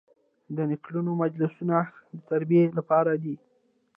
د نکلونو مجلسونه د تربیې لپاره دي.